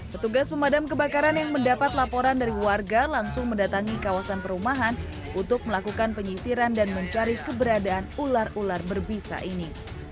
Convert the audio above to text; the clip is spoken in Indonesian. petugas pemadam kebakaran yang mendapat laporan dari warga langsung mendatangi kawasan perumahan untuk melakukan penyisiran dan mencari keberadaan ular ular berbisa ini